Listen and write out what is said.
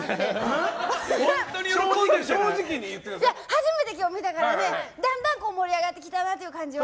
初めて今日、見たからだんだん盛り上がってきたなという感じは。